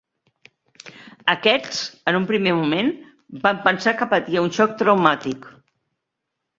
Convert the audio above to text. Aquests, en un primer moment, van pensar que patia un xoc traumàtic.